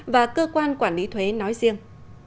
và cơ quan quản lý thuế nói riêng